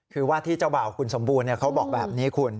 คือว่าที่เจ้าบ่าวคุณสมบูรณ์เขาบอกแบบนี้คุณ